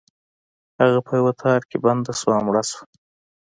هغه په یو تار کې بنده شوه او مړه شوه.